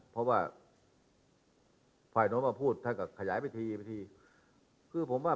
เพราะว่า